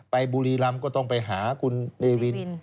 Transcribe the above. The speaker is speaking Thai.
บุรีรำก็ต้องไปหาคุณเนวิน